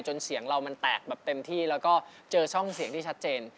เสียงเรามันแตกแบบเต็มที่แล้วก็เจอช่องเสียงที่ชัดเจน